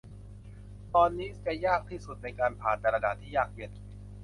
ตอนนี้จะยากที่สุดในการผ่านแต่ละด่านที่ยากเย็น